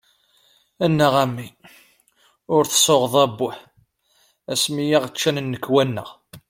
Annaɣ, a mmi! Ur tsuɣeḍ "abbuh" ass-mi yaɣ-ččan nnekwa-nneɣ!